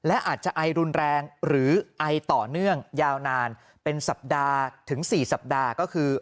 และอาจจะไอรุนแรงหรือไอต่อเนื่องยาวนานเป็นสัปดาห์ถึง๔สัปดาห์ก็คือ